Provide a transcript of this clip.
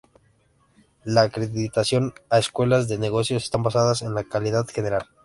La acreditación a escuelas de negocios está basadas en la calidad general.